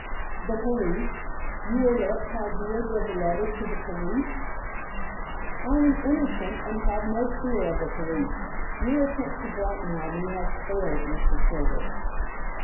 "The police? You will let Chaldea give the letter to the police?" "I am innocent and have no fear of the police. Your attempt to blackmail me has failed, Mr. Silver."